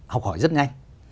học hỏi rất nhanh